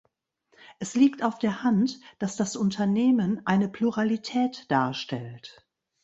Es liegt auf der Hand, dass das Unternehmen eine Pluralität darstellt.